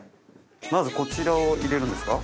まずこちらを入れるんですか？